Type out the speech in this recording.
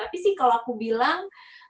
tapi sih kalau aku bilang